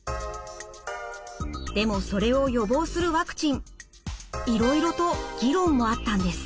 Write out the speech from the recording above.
でもそれを予防するワクチンいろいろと議論もあったんです。